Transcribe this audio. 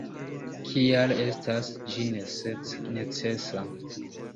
Kial estas ĝi necesa.